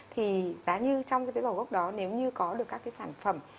thì giá như trong cái tế bào gốc đó nếu như có được các cái sản phẩm